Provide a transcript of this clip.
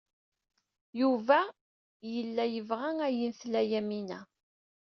Yuba yella yebɣa ayen tla Yamina.